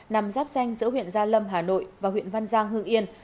nằm giáp danh giữa huyện gia lâm hà nội và huyện văn giang hương yên